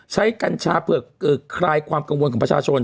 กัญชาเผือกคลายความกังวลของประชาชน